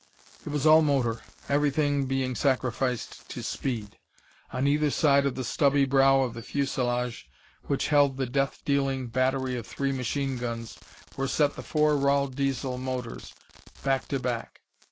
It was all motor everything being sacrificed to speed. On either side of the stubby brow of the fuselage, which held the death dealing battery of three machine guns, were set the four Rahl Diesel motors, back to back.